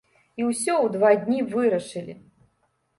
І ўсё ў два дні вырашылі!